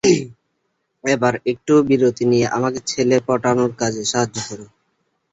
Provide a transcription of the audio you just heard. এবার একটু বিরতি নিয়ে আমাকে ছেলে পটানোর কাজে সাহায্য করো।